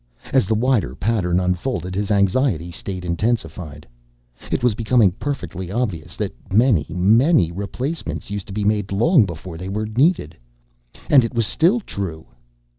As the wider pattern unfolded, his anxiety state intensified. It was becoming perfectly obvious that many, many replacements used to be made long before they were needed. And it was still true.